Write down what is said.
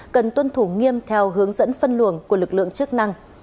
cần tuân thủ nghiêm theo hướng dẫn phân luồng của lực lượng chức năng